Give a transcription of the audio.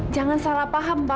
jangan salah paham papa